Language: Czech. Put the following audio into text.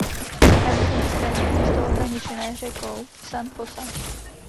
Na východní straně je město ohraničené řekou San José.